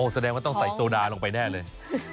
แสดงว่าต้องใส่โซดาลงไปแน่เลย